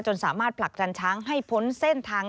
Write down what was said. สามารถผลักดันช้างให้พ้นเส้นทาง